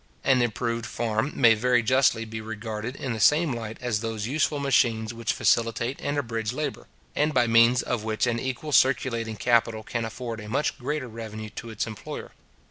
An improved farm may very justly be regarded in the same light as those useful machines which facilitate and abridge labour, and by means of which an equal circulating capital can afford a much greater revenue to its employer.